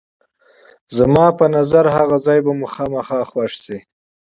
زما په نظر هغه ځای به مو خامخا خوښ شي.